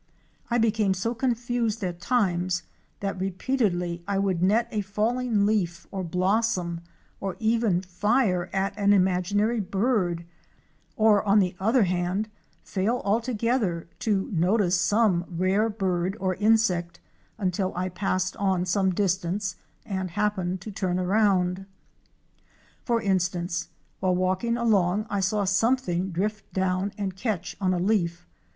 I became so confused at times that repeatedly I would net a falling leaf or blossom or even fire at an imaginary bird, or on the other hand fail altogether to notice some rare bird or insect until I passed on some distance and happened to turn around. For instance, while walking along I saw something drift down and catch on a leaf.